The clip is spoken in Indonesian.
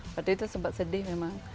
waktu itu sempat sedih memang